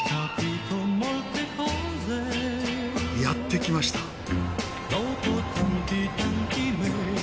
やって来ました。